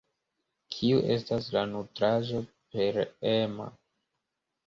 Kiu estas la nutraĵo pereema?